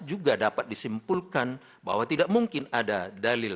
juga dapat disimpulkan bahwa tidak mungkin ada dalil